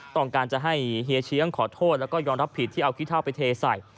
ต้องการจะให้เฮียเชียงขอโทษแล้วก็ยอมรับผิดที่เอาขี้เท่าไปเทใส่